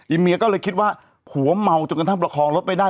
เมียก็เลยคิดว่าผัวเมาจนกระทั่งประคองรถไม่ได้